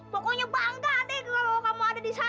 pokoknya bangga adek kalau kamu ada di sana